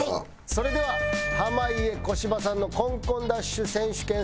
それでは濱家小芝さんのコンコンダッシュ選手権スタート！